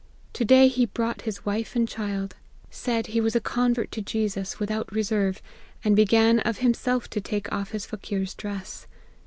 To day he brought his wife and child ; said he was a con 228 APPENDIX. vert to Jesus, without reserve ; and began of him self to take off his Faqueer's dress.